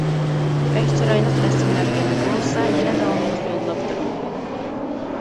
بەك چىرايلىق رەسىملەركەن، بولسا يەنە داۋاملىق يوللاپ تۇرۇڭ.